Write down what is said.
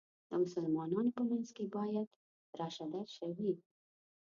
د مسلمانانو په منځ کې باید راشه درشه وي.